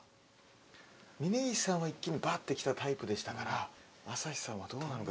峯岸さんは一気にバッてきたタイプでしたから朝日さんはどうなのか。